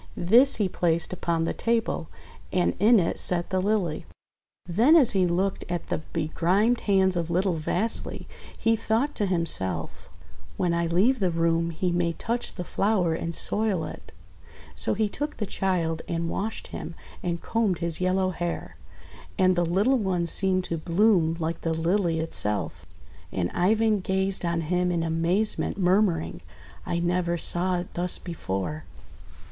This he placed upon the table, and in it set the Lily. Then as he looked at the begrimed hands of little Vasily he thought to himself, "When I leave the room he may touch the flower and soil it." So he took the child and washed him, and combed his yellow hair; and the little one seemed to bloom like the Lily itself. And Ivan gazed on him in amazement, murmuring, !<I never saw it thus before!'